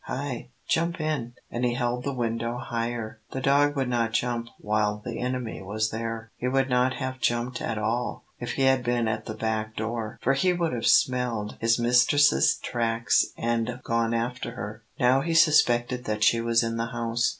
"Hi jump in," and he held the window higher. The dog would not jump while the enemy was there. He would not have jumped at all, if he had been at the back door, for he would have smelled his mistress's tracks and gone after her. Now he suspected that she was in the house.